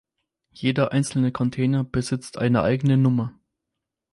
Jeder einzelne Container besitzt eine eigene Nummer.